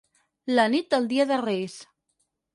La nit del dia de Reis.